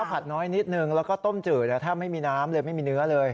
ผัดน้อยนิดนึงแล้วก็ต้มจืดแทบไม่มีน้ำเลยไม่มีเนื้อเลย